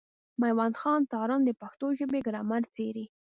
مېوند خان تارڼ د پښتو ژبي ګرامر څېړي.